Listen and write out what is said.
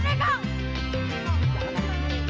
kong jangan lupa